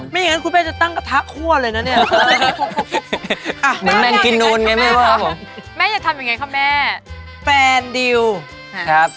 อย่างนั้นคุณแม่จะตั้งกระทะคั่วเลยนะเนี่ย